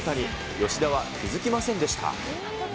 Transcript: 吉田は気付きませんでした。